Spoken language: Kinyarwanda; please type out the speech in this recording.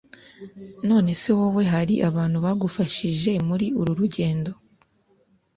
None se wowe hari abantu bagufashije muri uru rugendo?